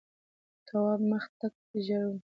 تواب مخ تک ژېړ و.